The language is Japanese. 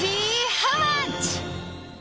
ハウマッチ。